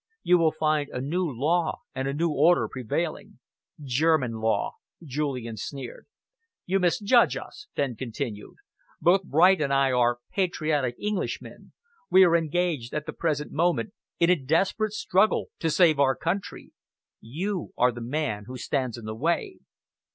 You will find a new law and a new order prevailing." "German law!" Julian sneered. "You misjudge us," Fenn continued. "Both Bright and I are patriotic Englishmen. We are engaged at the present moment in a desperate effort to save our country. You are the man who stands in the way."